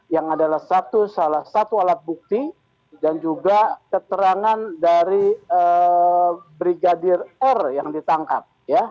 yang adalah salah satu alat bukti dan juga keterangan dari brigadir r yang ditangkap